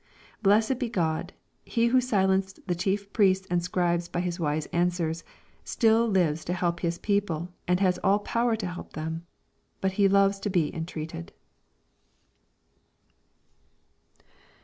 Blessed be God, He who silenced the chief priests and scribes by His wise answers, stil! lives to help His people and has all power to help them. But He loves to be entreated.